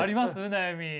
悩み。